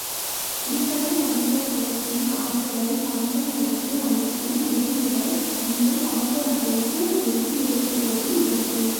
இங்ஙனம் மனிதகுலத்தின் ஆற்றலை, பண்பை அரித்து அழிக்கும் உடைமைகள் மீது சான்றோர்களுக்கு வெறுப்பு ஏற்படுவது இயற்கை.